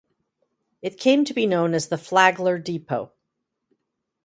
It came to be known as the Flagler Depot.